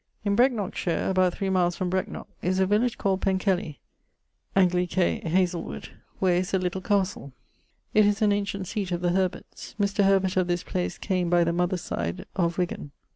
In Brecknockshire, about 3 miles from Brecknock, is a village called Penkelly (Anglicè Hasel wood), where is a little castle. It is an ancient seate of the Herberts. Mr. Herbert, of this place, came, by the mother's side, of Ŵgan.